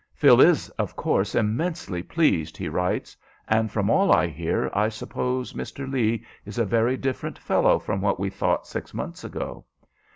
"Phil is, of course, immensely pleased," he writes, "and from all I hear I suppose Mr. Lee is a very different fellow from what we thought six months ago.